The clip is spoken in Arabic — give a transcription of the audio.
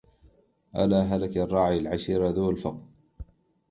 ألا هلك الراعي العشيرة ذو الفقد